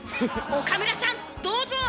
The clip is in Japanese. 岡村さんどうぞ！